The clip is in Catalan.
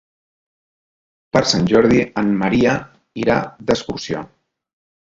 Per Sant Jordi en Maria irà d'excursió.